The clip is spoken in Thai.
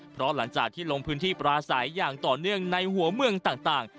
เพราะหลังจากที่ลงพื้นที่ปราศัยอย่างต่อเนื่องในหัวเมืองต่าง